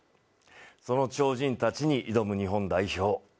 その超人たちに挑む日本代表。